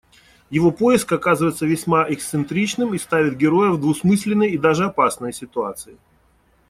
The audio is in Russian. Его поиск оказывается весьма эксцентричным и ставит героя в двусмысленные и даже опасные ситуации.